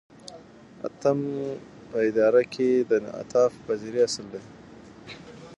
اتم په اداره کې د انعطاف پذیری اصل دی.